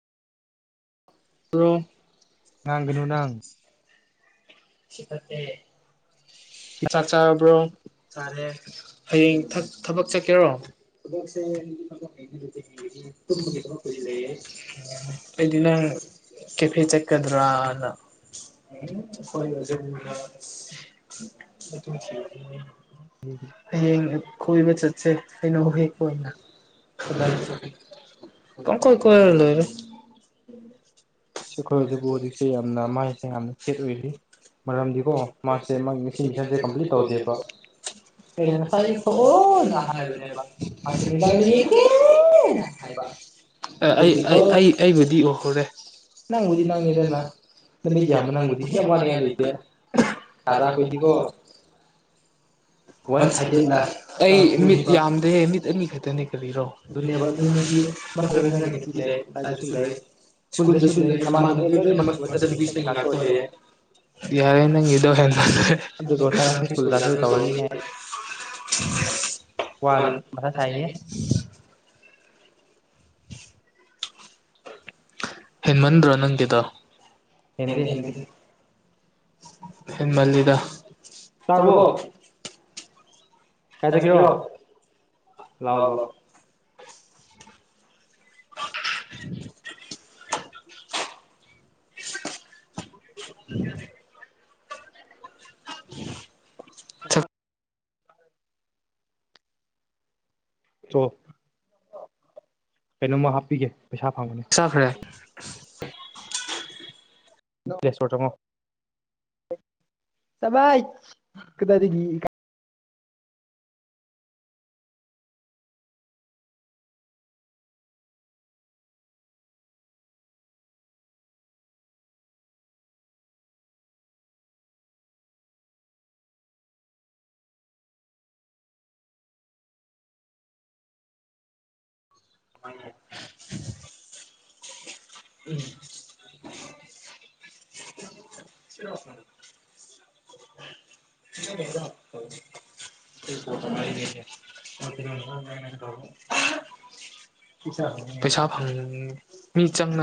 ꯔ꯭ꯔꯣ ꯉꯥꯡꯒꯅꯨ ꯅꯪ ꯆꯥꯛ ꯆꯥꯔꯕ꯭ꯔꯣ ꯆꯥꯔꯦ ꯍꯌꯦꯡ ꯊꯕꯛ ꯆꯠꯀꯦꯔꯣ ꯑꯩꯗꯤ ꯅꯪ ꯀꯦꯐꯦ ꯆꯠꯀꯗ꯭ꯔꯅ ꯍꯌꯦꯡ ꯈꯣꯏꯕ ꯆꯠꯁꯦ ꯑꯩꯅꯧ ꯍꯦꯛꯄ ꯑꯣꯏꯅ [unintelligible] ꯄꯀꯣꯏ ꯀꯣꯏꯔ ꯂꯣꯔꯦ ꯑꯩꯈꯣꯏ ꯍꯧꯖꯤꯛꯄꯨ ꯍꯧꯖꯤꯛꯁꯦ ꯌꯥꯝꯅ ꯃꯥꯏꯁꯦ ꯌꯥꯝꯅ ꯁꯦꯠ ꯑꯣꯏꯔꯤ ꯃꯔꯝꯗꯤꯀꯣ ꯃꯥꯁꯦ ꯃꯥꯒꯤ ꯉꯁꯤ ꯃꯤꯁꯟꯁꯦ ꯀꯝꯄ꯭ꯂꯤꯠ ꯇꯧꯗꯦꯕ ꯑꯩꯅ ꯉꯁꯥꯏ ꯑꯌꯨꯛ ꯊꯣꯛꯑꯣꯅ ꯍꯥꯏꯕꯅꯦꯕ ꯃꯥꯁꯦ ꯅꯨꯡꯗꯥꯡꯗ ꯌꯦꯡꯒꯦ ꯑꯗꯨꯒꯤꯀꯣ ꯑꯩꯕꯨꯗꯤ ꯎꯈꯨꯔꯦ ꯅꯪꯕꯨꯗꯤ ꯅꯪꯉꯦꯗꯅ ꯅꯨꯃꯤꯠ ꯌꯥꯝꯕ ꯅꯪꯗꯤ ꯌꯥꯝ ꯋꯥꯅꯤꯡꯉꯥꯏ ꯗꯥꯗꯥ ꯑꯩꯈꯣꯏꯗꯤꯀꯣ ꯂꯩꯇꯦꯗꯤꯣꯦ ꯋꯥꯟ ꯁꯥꯏꯗꯦꯠ ꯂꯞ ꯑꯩ ꯅꯪ ꯃꯤꯠ ꯄꯨꯅꯤꯕ ꯌꯥꯝꯗꯦ ꯃꯤꯠ ꯑꯅꯤ ꯃꯤ ꯈꯛꯇꯅꯦ ꯀꯜꯂꯤꯔꯣꯪ ꯑꯗꯨꯅꯦꯕ ꯑꯗꯨ ꯅꯪꯒꯤ ꯃꯊꯛꯇꯁꯨ ꯅꯪꯒꯤ ꯅꯨꯄꯤ ꯂꯩ ꯏꯁꯥꯗꯁꯨ ꯂꯩꯗꯁꯨ ꯂꯩ ꯁ꯭ꯀꯨꯜꯗꯁꯨ ꯂꯩ ꯅꯃꯥꯟꯅꯕꯤ ꯅꯃꯥꯟꯅꯕ ꯂꯣꯏꯅꯃꯛꯀꯤ ꯂꯣꯏꯅꯃꯛ ꯁ ꯆꯠ ꯃꯆꯟꯅꯨꯄꯤꯁꯨ ꯅꯨꯄꯤꯇ ꯅꯪꯒꯤ ꯉꯥꯛꯇ ꯑꯣꯏꯔꯦ ꯑꯣꯏꯌꯦ ꯌꯥꯔꯦ ꯅꯪꯒꯤꯗꯣ ꯍꯦꯟ ꯑꯗꯨꯒ ꯃꯊꯪ ꯅꯈꯣꯏ ꯁ꯭ꯀꯨꯜ ꯁꯀꯨꯜ ꯆ ꯑꯣꯖꯥꯁꯨ ꯇꯧꯔꯅꯤꯍꯦ ꯇꯧꯅꯤꯅꯦ ꯋꯥ ꯃꯊꯥ ꯁꯥꯏꯍꯦ ꯍꯦꯃꯟꯗ꯭ꯔꯣ ꯅꯪꯒꯤꯗꯣ ꯍꯦꯟꯗꯦ ꯍꯦꯟꯗꯦ ꯍꯦꯟꯃꯜꯂꯤꯀꯣ ꯇꯥꯕ꯭ꯔꯣ ꯏꯌꯥ ꯂꯑꯣ ꯂꯥꯛꯑꯣ ꯑ [inaudible] ꯑꯗ ꯀꯩꯅꯣꯝꯃ ꯍꯥꯞꯄꯤꯒꯦ ꯄꯩꯁꯥ ꯐꯪꯒꯅꯤ ꯆꯥꯈ꯭ꯔꯦ ꯄ꯭ꯂꯦꯁ꯭ꯇꯣꯔ ꯆꯪꯉꯣ ꯆꯠꯂꯣꯏꯠ ꯀꯗꯥꯏꯗꯒꯤ ꯍ ꯎꯝ ꯁꯤꯔꯣ ꯄꯩꯁꯥ ꯐꯪ ꯃꯤ ꯆꯪꯅ